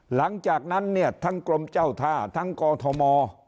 หลังจากนั้นเนี่ยทั้งกรมเจ้าท่าทั้งกอทม